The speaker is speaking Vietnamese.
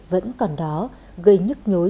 vẫn còn đó gây nhức nhối